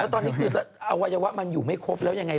ตอนนี้คืออวัยวะมันอยู่ไม่ครบแล้วยังไง